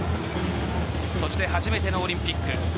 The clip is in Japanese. そして、初めてのオリンピック。